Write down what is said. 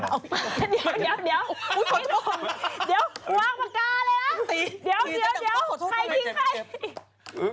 เดี๋ยวอว้างปากกาเลย